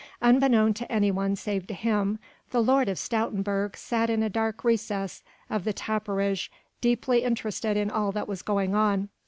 Unbeknown to anyone save to him, the Lord of Stoutenburg sat in a dark recess of the tapperij deeply interested in all that was going on.